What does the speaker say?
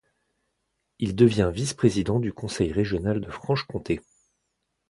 Il devient vice-président du conseil régional de Franche-Comté.